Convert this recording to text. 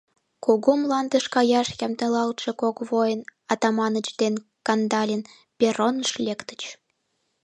Кугу мландыш каяш ямдылалтше кок воин — Атаманыч ден Кандалин — перроныш лектыч.